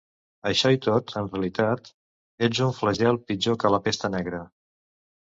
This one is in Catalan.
Així i tot, en realitat, ets un flagell pitjor que la Pesta Negra.